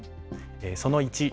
その１。